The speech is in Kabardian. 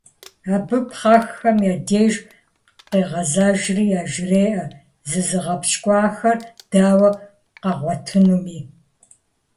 Абы пхъэрхэм я деж къегъэзэжри яжреӀэ зызыгъэпщкӀуахэр дауэ къагъуэтынуми.